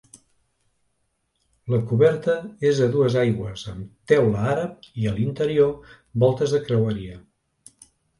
La coberta és a dues aigües amb teula àrab i a l'interior, voltes de creueria.